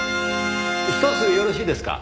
ひとつよろしいですか？